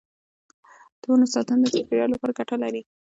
د ونو ساتنه د چاپیریال لپاره ګټه لري.